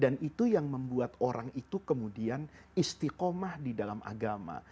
dan itu yang membuat orang itu kemudian istikomah di dalam agama